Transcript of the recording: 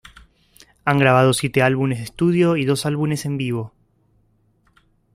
Han grabado siete álbumes de estudio y dos álbumes en vivo.